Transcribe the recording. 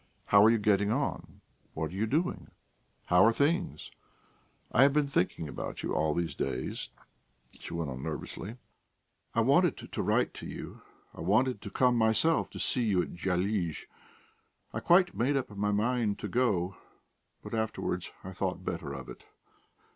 "How are you getting on? What are you doing? How are things? I have been thinking about you all these days," she went on nervously. "I wanted to write to you, wanted to come myself to see you at Dyalizh. I quite made up my mind to go, but afterwards I thought better of it.